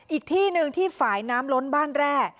อีกที่หนึ่งที่ฝ่ายน้ำล้นบ้านแร่